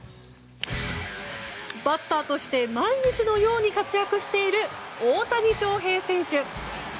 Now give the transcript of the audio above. バッターとして毎日のように活躍している大谷翔平選手。